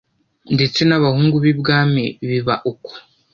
ndetse n'abahungu b'ibwami biba uko